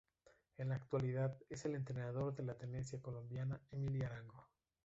En la actualidad es el entrenador de la tenista colombiana Emiliana Arango.